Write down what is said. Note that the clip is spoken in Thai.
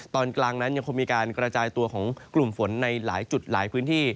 ตอนกลางนั้นยังคงมีการกระจายตัวของกลุ่มฝนในหลายจุดหลายพื้นที่